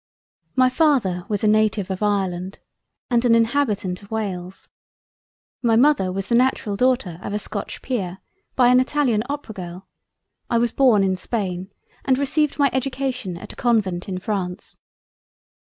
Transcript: My Father was a native of Ireland and an inhabitant of Wales; my Mother was the natural Daughter of a Scotch Peer by an italian Opera girl—I was born in Spain and received my Education at a Convent in France.